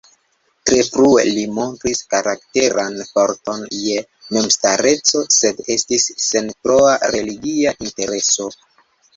Tre frue li montris karakteran forton je memstareco sed estis sen troa religia intereso.